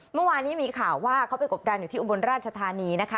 เมื่อวานนี้มีข่าวว่าเขาไปกบดันอยู่ที่อุบลราชธานีนะคะ